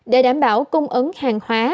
để đảm bảo cung ứng hàng hóa